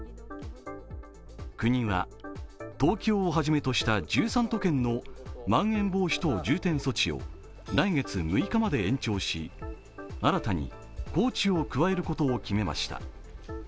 国は、東京をはじめとした１３都県のまん延防止等重点措置を来月６日まで延長し、新たに高知を加えることを決めました。